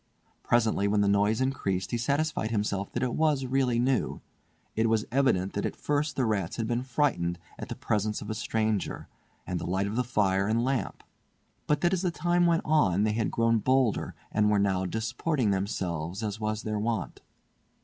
Presently, when the noise increased, he satisfied himself that it was really new. It was evident that at first the rats had been frightened at the presence of a stranger, and the light of fire and lamp; but that as the time went on they had grown bolder and were now disporting themselves as was their wont.